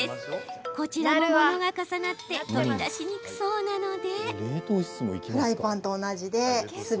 こちらも物が重なって取り出しにくそうなので。